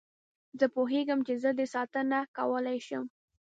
زه پوهېږم چې زه دې ساتنه کولای شم.